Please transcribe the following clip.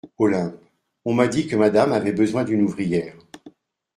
Olympe On m'a dit que Madame avait besoin d'une ouvrière.